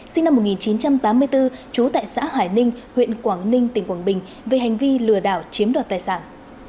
sinh năm một nghìn chín trăm tám mươi bốn trú tại xã hải ninh huyện quảng ninh tỉnh quảng bình về hành vi lừa đảo chiếm đoạt tài sản